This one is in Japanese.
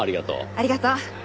ありがとう。